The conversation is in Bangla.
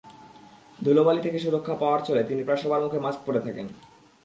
ধুলোবালি থেকে সুরক্ষা পাওয়ার ছলে তিনি প্রায় সময় মুখে মাস্ক পরে থাকেন।